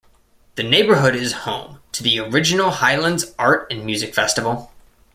The neighborhood is home to the Original Highlands Art and Music Festival.